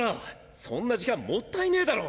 そんな時間もったいねぇだろ！